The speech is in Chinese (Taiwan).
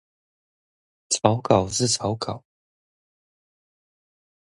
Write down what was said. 草稿是草稿